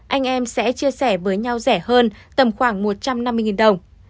anh em sẽ chia sẻ với nhau rẻ hơn tầm khoảng một trăm năm mươi đồng